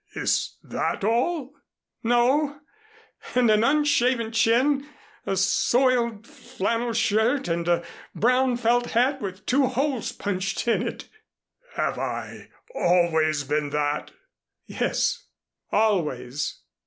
"Is that all?" "No. And an unshaven chin, a soiled flannel shirt, and a brown felt hat with two holes punched in it." "Have I always been that?" "Yes always."